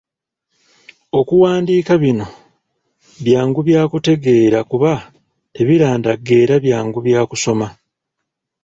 Okuwandiika bino byangu bya kutegeera kuba tebirandagga era byangu bya kusoma.